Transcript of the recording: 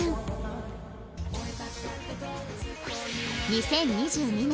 ２０２２年